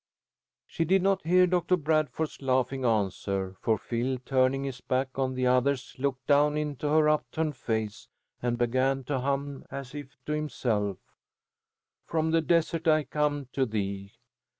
She did not hear Doctor Bradford's laughing answer, for Phil, turning his back on the others, looked down into her upturned face and began to hum, as if to himself, "_From the desert I come to thee!